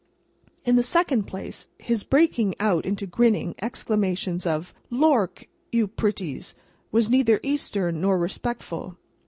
In the second place, his breaking out into grinning exclamations of "Lork you pretties!" was neither Eastern nor respectful.